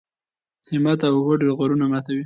همت او هوډ غرونه ماتوي.